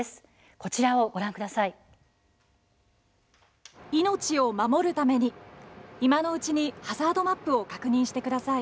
こちらのＶＴＲをご覧ください。